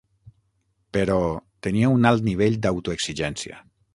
Però, tenia un alt nivell d'autoexigència.